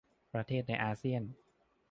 ประเทศในอาเซียน